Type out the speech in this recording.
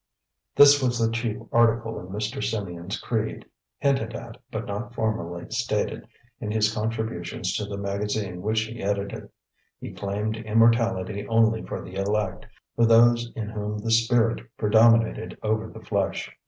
This was the chief article in Mr. Symeon's creed; hinted at, but not formally stated in his contributions to the magazine which he edited. He claimed immortality only for the elect for those in whom the spirit predominated over the flesh.